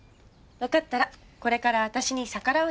わかったらこれから私に逆らわない。